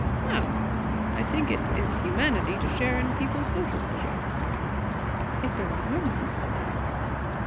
"How? I think it is humanity to share in people's social pleasures." "If they were harmless."